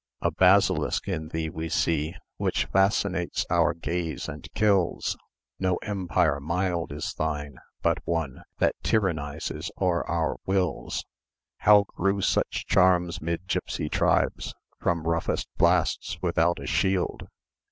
A basilisk in thee we see, Which fascinates our gaze and kills. No empire mild is thine, but one That tyrannises o'er our wills. How grew such charms 'mid gipsy tribes, From roughest blasts without a shield?